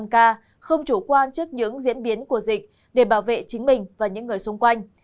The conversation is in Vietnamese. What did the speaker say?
mọi người hãy tuân thủ các biện pháp năm k không chủ quan trước những diễn biến của dịch để bảo vệ chính mình và những người xung quanh